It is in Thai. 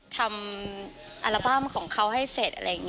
ทำอัลบั้มของเขาให้เสร็จ